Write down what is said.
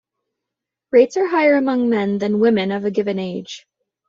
Rates are higher among men than women of a given age.